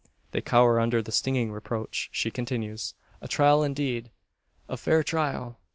They cower under the stinging reproach. She continues: "A trial indeed! A fair trial!